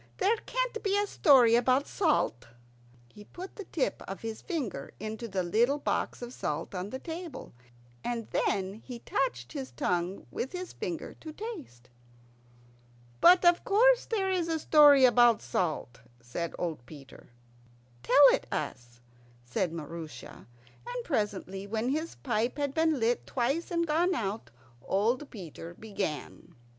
"There can't be a story about salt." He put the tip of his finger into the little box of salt on the table, and then he touched his tongue with his finger to taste. "But of course there is a story about salt," said old Peter. "Tell it us," said Maroosia; and presently, when his pipe had been lit twice and gone out, old Peter began.